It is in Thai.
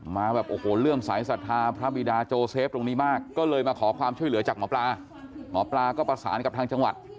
มีความช่วยเหลือจากหมอปลาหมอปลาก็ประสานกับทางจังหวัด